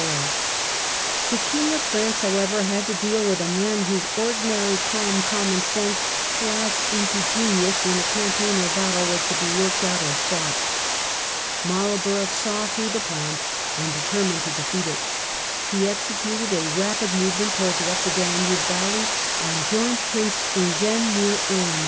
The King of France, however, had to deal with a man whose ordinary calm commonsense flashed into genius when a campaign or a battle was to be worked guttle of out or fought. Marlborough saw through the Blenheim, plan and determined to defeat it. He exe ^^^'^^*'''° cuted a rapid movement towards the Upper Danube valley and joined Prince Eugene near Ulm.